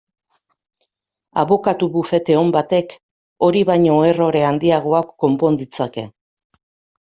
Abokatu bufete on batek hori baino errore handiagoak konpon ditzake.